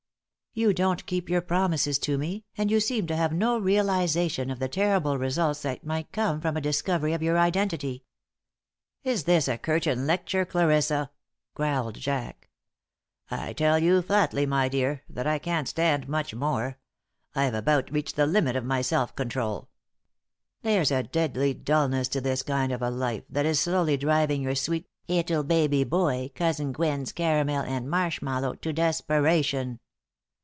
You don't keep your promises to me and you seem to have no realization of the terrible results that might come from a discovery of your identity." "Is this a curtain lecture, Clarissa?" growled Jack. "I tell you flatly, my dear, that I can't stand much more. I've about reached the limit of my self control. There's a deadly dullness to this kind of a life that is slowly driving your sweet 'ittle baby boy, Cousin Gwen's caramel and marshmallow, to desperation."